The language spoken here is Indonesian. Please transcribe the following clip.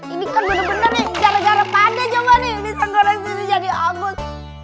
ini kan bener bener nih gara gara pak d coba nih bisa goreng sini jadi agus